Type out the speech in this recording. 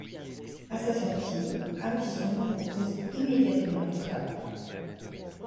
À sa sortie, Ardisson lui propose immédiatement du travail.